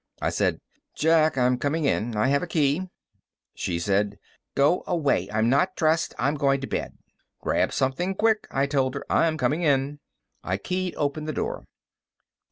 I said, "Jack, I'm coming in. I have a key." She said, "Go away. I'm not dressed. I'm going to bed." "Grab something quick," I told her. "I'm coming in." I keyed open the door.